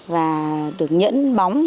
và được nhẫn bóng